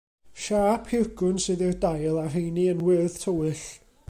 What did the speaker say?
Siâp hirgrwn sydd i'r dail, a'r rheiny yn wyrdd tywyll.